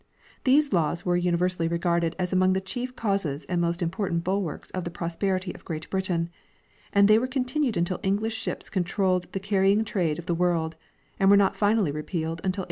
These laws were uni versally regarded as among the chief causes and most important bulwarks of the prosperity of Great Britain, and they were con tinued until English ships controlled the carrying trade of the world, and were not finally repealed until 1854.